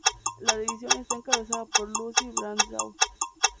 La división está encabezada por Lucy Bradshaw.